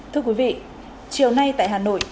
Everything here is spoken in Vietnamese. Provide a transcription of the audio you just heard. thưa quý vị chiều nay tại hà nội